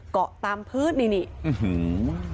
เกาะตามพื้นนี่นี่อื้อหือ